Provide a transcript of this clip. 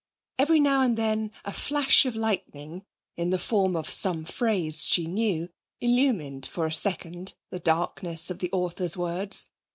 Every now and then a flash of lightning, in the form of some phrase she knew, illumined for a second the darkness of the author's words.